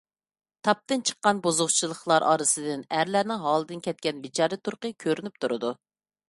تاپتىن چىققان بۇزۇقچىلىقلار ئارىسىدىن ئەرلەرنىڭ ھالىدىن كەتكەن بىچارە تۇرقى كۆرۈنۈپ تۇرىدۇ.